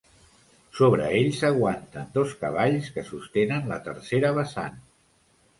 Sobre ell s'aguanten dos cavalls que sostenen la tercera vessant.